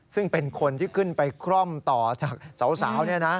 ซึ่งเป็นคนที่ขึ้นไปคร่อมต่อจากสาว